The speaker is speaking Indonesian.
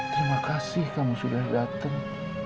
terima kasih kamu sudah datang